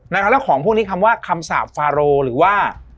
แล้วของพวกนี้คำว่าคำสาปฟาโรหรือว่า